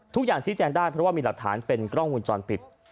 ทุกอย่างที่แจ้งได้เพราะว่ามีหลักฐานเป็นกล้องวุนจรปิด